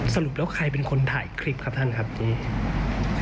สรุปแล้วใครเป็นคนถ่ายคลิปครับท่านครับตรงนี้